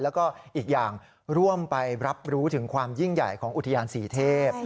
แล้วก็อีกอย่างร่วมไปรับรู้ถึงความยิ่งใหญ่ของอุทยานศรีเทพ